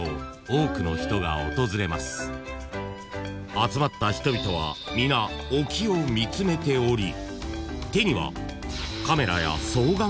［集まった人々は皆沖を見つめており手には］